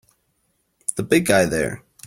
The big guy there!